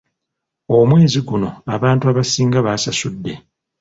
Omwezi guno abantu abasinga basasuddde.